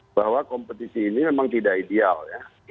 bahwa kompetisi ini memang tidak ideal ya